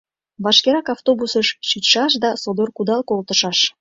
Вашкерак автобусыш шичшаш да содор кудал колтышаш!